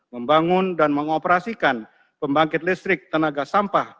membangun dan mengoperasikan pembangkit listrik tenaga sampah